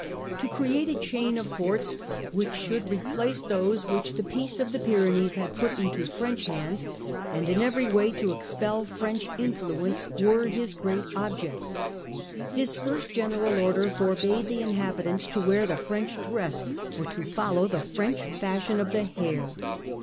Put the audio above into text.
To create a chain of forts which should replace those which the Peace of the Pyrenees had put into French hands, and in every way to expel F rench influence, were his great objects. His first general order forbade the inhabitants to wear the French dress or to follow the French fashion of the hair.